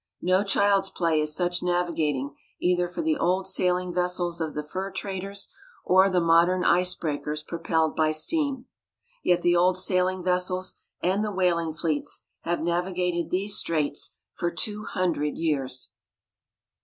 No child's play is such navigating either for the old sailing vessels of the fur traders or the modern ice breakers propelled by steam! Yet, the old sailing vessels and the whaling fleets have navigated these straits for two hundred years.